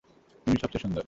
তুমিই সবচেয়ে সুন্দর।